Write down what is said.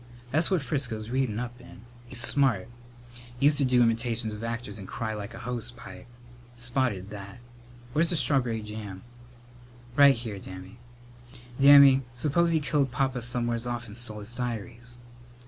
"That's what Frisco's readin' up in. He's smart. Used to do im'tations of actors and cry like a hose pipe. Spotted that. Where's the strawb'ry jam?" "Right here, Dammy. Dammy, suppose he killed Papa somewheres off and stole his diaries!"